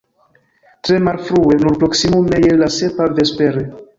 Tre malfrue, nur proksimume je la sepa vespere.